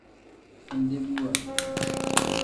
Andebiwa.